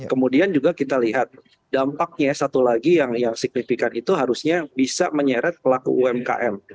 kemudian juga kita lihat dampaknya satu lagi yang signifikan itu harusnya bisa menyeret pelaku umkm